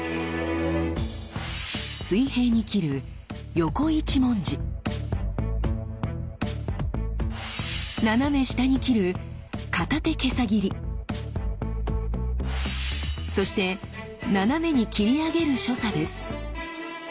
水平に斬る斜め下に斬るそして斜めに斬り上げる所作です。